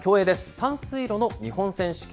短水路の日本選手権。